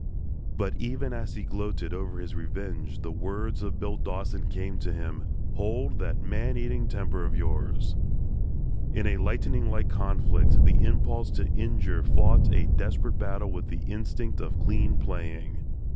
But even as he gloated over his revenge, the words of Bill Dawson came to him, "Hold that man eating temper of yours." In a lightning like conflict, the impulse to injure fought a desperate battle with the instinct of clean playing.